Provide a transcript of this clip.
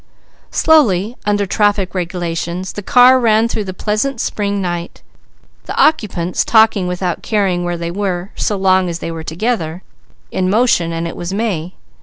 Slowly, under traffic regulations, the car ran through the pleasant spring night; the occupants talking without caring where they were so long as they were together, in motion, and it was May.